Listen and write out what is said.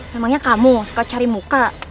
memangnya kamu suka cari muka